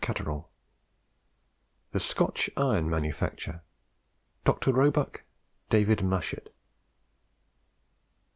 CHAPTER VIII. THE SCOTCH IRON MANUFACTURE DR. ROEBUCK DAVID MUSHET.